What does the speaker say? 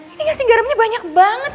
ini gak sih garamnya banyak banget